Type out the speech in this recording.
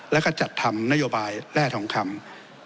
แล้วก็จัดทำนโยบายแร่ทองคำ